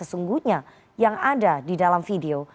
sesungguhnya yang ada di dalam video